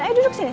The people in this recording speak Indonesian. ayo duduk sini